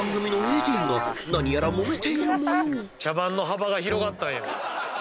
茶番の幅が広がったんや。